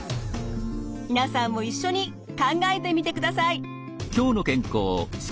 皆さんも一緒に考えてみてください。